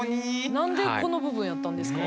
何でこの部分やったんですか？